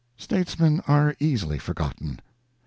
States men are easily forgotten.